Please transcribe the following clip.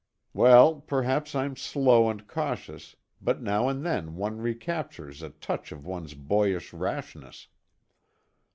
Well, perhaps I'm slow and cautious, but now and then one recaptures a touch of one's boyish rashness.